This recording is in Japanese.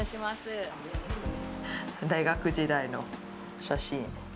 大学時代の写真。